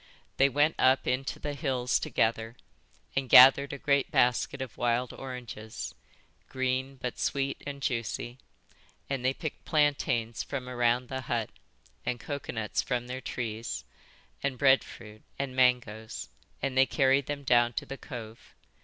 They went up into the hills together and gathered a great basket of wild oranges, green, but sweet and juicy; and they picked plantains from around the hut, and coconuts from their trees, and breadfruit and mangoes; and they carried them down to the cove.